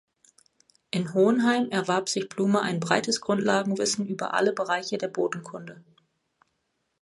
In Hohenheim erwarb sich Blume ein breites Grundlagenwissen über alle Bereiche der Bodenkunde.